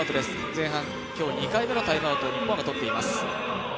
前半今日２回目のタイムアウトを日本が取っています。